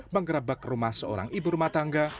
mengerebek rumah seorang ibu rumah tangga